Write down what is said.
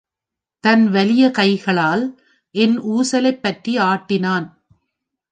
தன் வலிய கைகளால் என் ஊசலைப்பற்றி ஆட்டினான்.